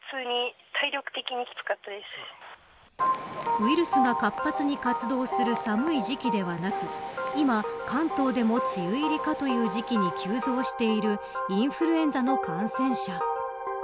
ウイルスが活発に活動する寒い時期ではなく今、関東でも梅雨入りかという時期に急増しているインフルエンザの感染者。